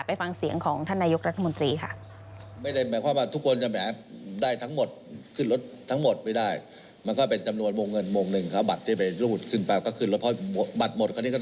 ฟังเสียงของท่านนายกรัฐมนตรีค่ะ